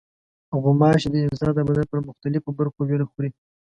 غوماشې د انسان د بدن پر مختلفو برخو وینه خوري.